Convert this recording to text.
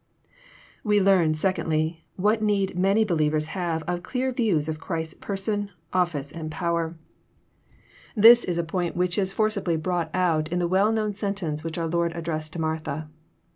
We learn, secondly, what need many believers have of clear views of Christ's person^ office^ and poioer. This 256 EXF06IT0RT THOUGHTS. is a point which is forcibly brought out in the well known sentence which our Lord addressed to Martha.